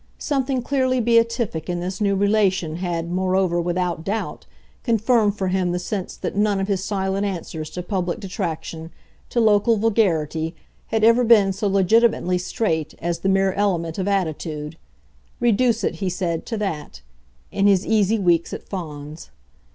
Something clearly beatific in this new relation had, moreover, without doubt, confirmed for him the sense that none of his silent answers to public detraction, to local vulgarity, had ever been so legitimately straight as the mere element of attitude reduce it, he said, to that in his easy weeks at Fawns.